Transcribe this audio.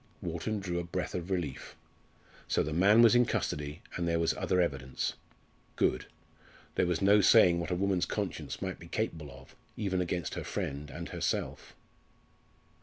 Wharton drew a breath of relief. So the man was in custody, and there was other evidence. Good! There was no saying what a woman's conscience might be capable of, even against her friends and herself.